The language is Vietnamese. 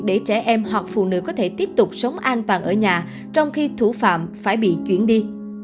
để trẻ em hoặc phụ nữ có thể tiếp tục sống an toàn ở nhà trong khi thủ phạm phải bị chuyển đi